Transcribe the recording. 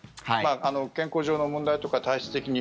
健康上の問題とか体質的に。